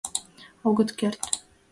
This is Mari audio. Огыт керт.